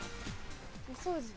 お掃除。